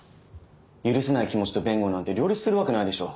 許せない気持ちと弁護なんて両立するわけないでしょ。